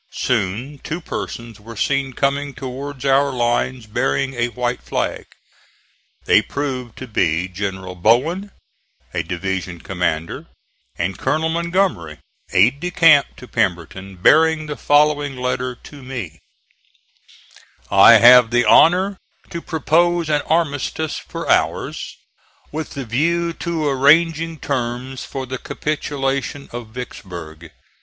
Soon two persons were seen coming towards our lines bearing a white flag. They proved to be General Bowen, a division commander, and Colonel Montgomery, aide de camp to Pemberton, bearing the following letter to me: "I have the honor to propose an armistice for hours, with the view to arranging terms for the capitulation of Vicksburg.